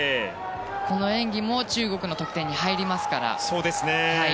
この演技も中国の得点に入りますから。